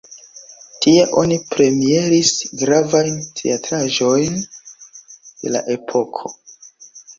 Tie oni premieris gravajn teatraĵojn de la epoko.